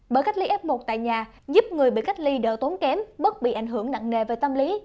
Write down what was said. bởi cách ly f một tại nhà giúp người bị cách ly đỡ tốn kém bớt bị ảnh hưởng nặng nề về tâm lý